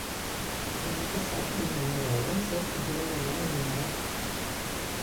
Demà passat na Nora i en Cesc volen anar a Guimerà.